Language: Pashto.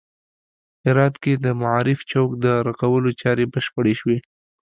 هرات کې د معارف چوک د رغولو چارې بشپړې شوې